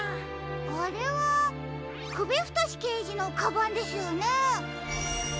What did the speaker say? あれはくびふとしけいじのカバンですよね？